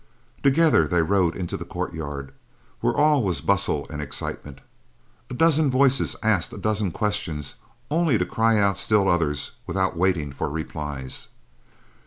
Together they rode into the courtyard, where all was bustle and excitement. A dozen voices asked a dozen questions only to cry out still others without waiting for replies.